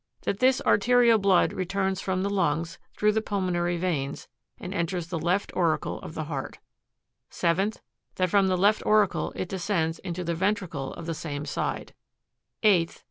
That this arterial blood returns from the lungs, through the pulmonary veins, and enters the left auricle of the heart; 7th. That from the left auricle it descends into the ventricle of the same side ; 8th.